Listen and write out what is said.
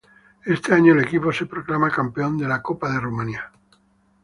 Ese año el equipo se proclama campeón de la Copa de Rumania.